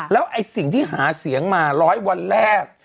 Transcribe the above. แล้วไอ้สิ่งที่หาเสียงมา๑๐๐วันแรก